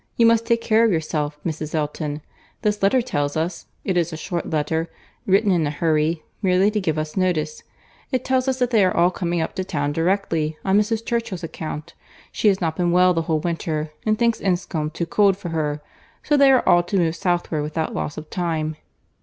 You must take care of yourself, Mrs. Elton.—This letter tells us—it is a short letter—written in a hurry, merely to give us notice—it tells us that they are all coming up to town directly, on Mrs. Churchill's account—she has not been well the whole winter, and thinks Enscombe too cold for her—so they are all to move southward without loss of time."